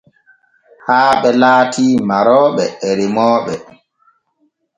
Haaɓe laati marooɓe he remmoɓe.